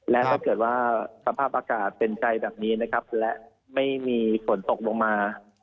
และถ้าเกิดว่าสภาพอากาศเป็นใจแบบนี้นะครับและไม่มีฝนตกลงมา